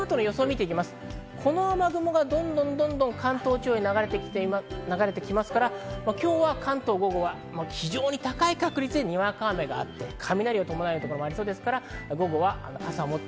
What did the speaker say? この雨雲がどんどん関東地方に流れてきて、今日は関東、午後は非常に高い確率でにわか雨、雷を伴うこともありそうですから、午後は傘を持って。